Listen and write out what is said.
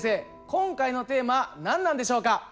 今回のテーマ何なんでしょうか？